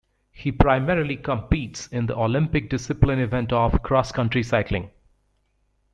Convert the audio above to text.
He primarily competes in the Olympic discipline event of cross-country cycling.